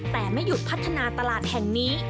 แต่ไม่หยุดพัฒนาตลาดแห่งนี้